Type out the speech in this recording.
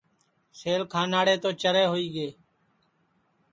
سیل کھاناڑے تو چرے ہوئی گے